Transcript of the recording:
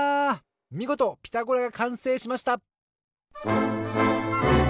みごと「ピタゴラ」がかんせいしました！